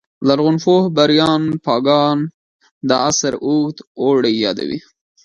لرغونپوه بریان فاګان دا عصر اوږد اوړی یادوي